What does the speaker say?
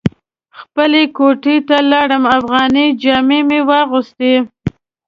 خپلې کوټې ته لاړم افغاني جامې مې واغوستې.